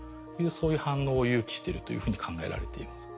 そういう反応を誘起してるというふうに考えられています。